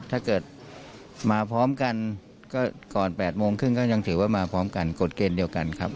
ถ้าเกิดมาพร้อมกันก็ก่อน๘โมงครึ่งก็ยังถือว่ามาพร้อมกันกฎเกณฑ์เดียวกันครับ